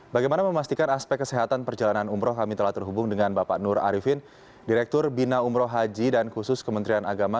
bagaimana memastikan aspek kesehatan perjalanan umroh kami telah terhubung dengan bapak nur arifin direktur bina umroh haji dan khusus kementerian agama